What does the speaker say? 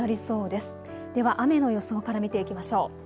では雨の予想から見ていきましょう。